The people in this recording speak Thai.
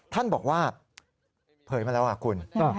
ท่านบอกว่าเผยมาแล้วคุณ